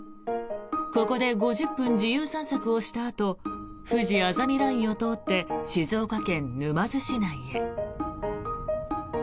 ここで５０分自由散策をしたあとふじあざみラインを通って静岡県沼津市内へ。